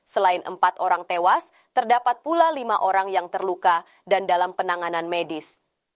selain empat orang tewas terdapat pula lima orang yang terluka dan dalam penanganan medis